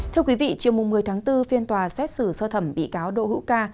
thưa quý vị chiều một mươi tháng bốn phiên tòa xét xử sơ thẩm bị cáo đỗ hữu ca